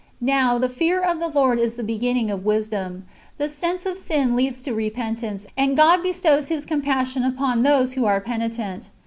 Now, '^ the fear of the Lord is the beginning of wisdom;"^ the sense of sin leads to repentance, and God bestows His compassion upon those who are penitent.